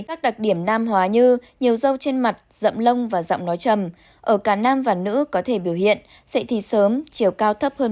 các đặc điểm nam hóa như nhiều dâu trên mặt rậm lông và rọng nói chầm